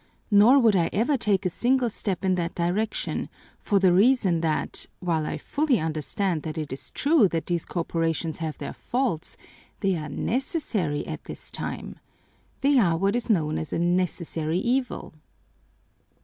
Nor would I ever take a single step in that direction, for the reason that, while I fully understand that it is true that these corporations have their faults, they are necessary at this time. They are what is known as a necessary evil."